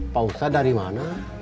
pak ustadz dari mana